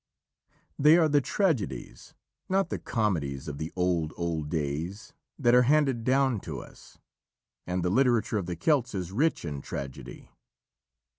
They are the tragedies, not the comedies of the old, old days that are handed down to us, and the literature of the Celts is rich in tragedy.